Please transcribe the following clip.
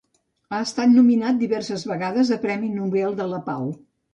Ha estat nominat diverses vegades a Premi Nobel de la Pau.